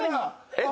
えっ？